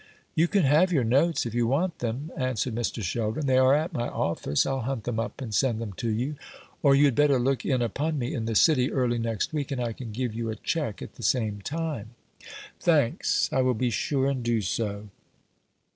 "You can have your notes, if you want them," answered Mr. Sheldon; "they are at my office. I'll hunt them up and send them to you; or you had better look in upon me in the City early next week, and I can give you a cheque at the same time." "Thanks. I will be sure and do so."